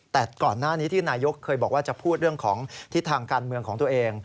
แต่ก่อนหน้านี้ที่นายกเคยบอกว่าจะพูดเรื่องของทิศทางการเมืองของตัวเอง